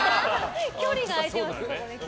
距離が空いていますね。